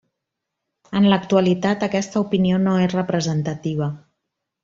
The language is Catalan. En l'actualitat, aquesta opinió no és representativa.